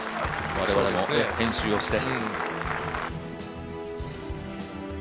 我々も編集をして。